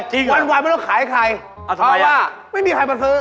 วันไม่ต้องขายให้ใครเพราะว่าจริงเหรอ